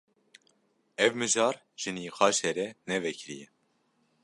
Ev mijar ji nîqaşê re ne vekirî ye.